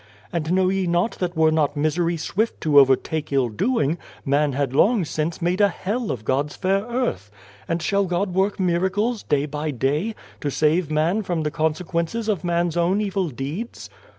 And know ye not that were not misery swift to overtake ill doing, man had long since made ?. hell of God's fair earth ? And shall God work miracles, day by day, to save man from the consequences of man's own evil deeds